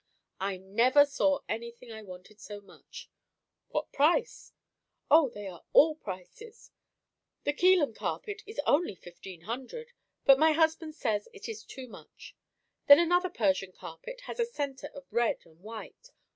I never saw anything I wanted so much." "What price?" "O, they are all prices. The Keelum carpet is only fifteen hundred but my husband says it is too much. Then another Persian carpet has a centre of red and white.